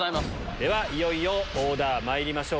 では、いよいよオーダーまいりましょう。